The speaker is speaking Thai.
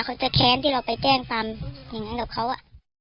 เขาจะแค้นที่เราไปแจ้งความอย่างนั้นกับเขา